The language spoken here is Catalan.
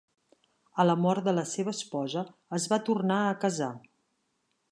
A la mort de la seva esposa es va tornar a casar.